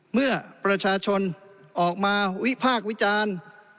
เมื่อประชาชนออกมาวิพากษ์วิจารณ์